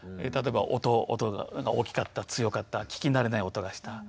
例えば音が大きかった強かった聞き慣れない音がした。